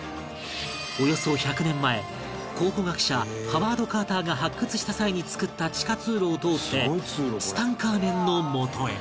およそ１００年前考古学者ハワード・カーターが発掘した際に造った地下通路を通ってツタンカーメンのもとへ